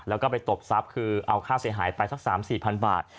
แล้วก็ไปตบทรัพย์คือเอาค่าเสียหายไปสัก๓๔๐๐๐บาท